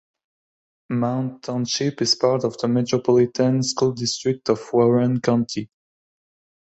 Mound Township is part of the Metropolitan School District of Warren County.